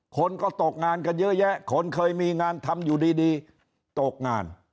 คนก็ตกงานกันเยอะแยะคนเคยมีงานทำอยู่ดีตกงาน